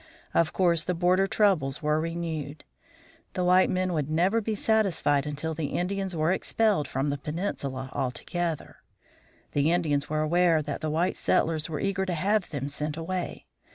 Of course, the border troubles were renewed. The white men would never be satisfied until the Indians were expelled from the peninsula altogether. The Indians were aware that the white settlers were eager to have them sent away.